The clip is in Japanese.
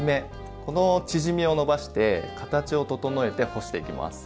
この縮みを伸ばして形を整えて干していきます。